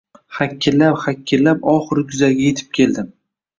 Hakillab-hakillab, oxiri guzarga yetib keldim